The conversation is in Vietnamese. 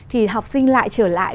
thì học sinh lại trở lại